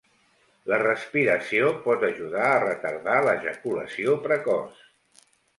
La respiració pot ajudar a retardar l'ejaculació precoç.